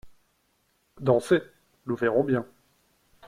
Dansez, nous verrons bien.